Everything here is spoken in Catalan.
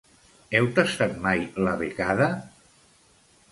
Heu tastat mai la becada?